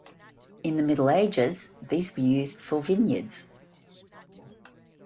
In the Middle Ages, these were used for vineyards.